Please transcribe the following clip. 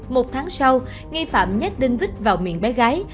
một tháng sau nghi phạm nhét đinh vít vào miệng bé gái